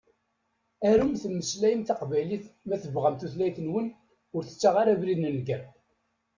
Arum temmeslayem taqbaylit ma tebɣam, tutlayt-nwen, ur tettaɣ ara abrid n nnger.